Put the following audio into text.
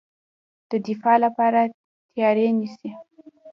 د دفاع لپاره تیاری نیسي.